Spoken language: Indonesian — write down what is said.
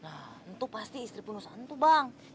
nah itu pasti istri penuh santu bang